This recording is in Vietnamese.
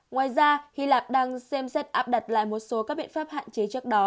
ngoài ra hy lạp đang xem xét áp đặt lại một số các biện pháp hạn chế trước đó